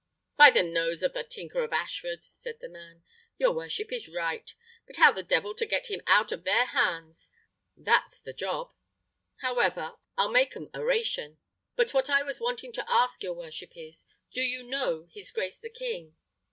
"By the nose of the tinker of Ashford!" said the man, "your worship is right. But how the devil to get him out of their hands? that's the job; however, I'll make 'em a 'ration. But what I was wanting to ask your worship is, do you know his grace the king?"